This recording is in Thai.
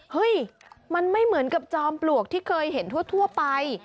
เฮ้ยมันไม่เหมือนกับจอมปลวกที่เคยเห็นทั่วไป